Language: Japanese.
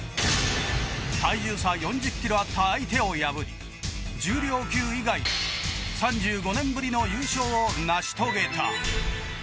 体重差４０キロあった相手を破り重量級以外で３５年ぶりの優勝を成し遂げた